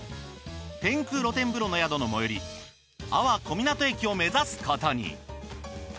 天空露天風呂の宿の最寄り安房小湊駅を目指すことに。